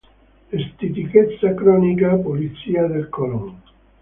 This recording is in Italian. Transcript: Stitichezza cronica, pulizia del colon.